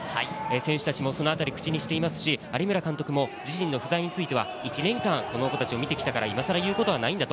選手たちも、そのあたり口にしていますし、監督も自身の不在については１年間この形を見てきたから今さら言うことはないと。